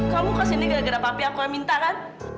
kamu kesini gara gara papi yang aku minta kan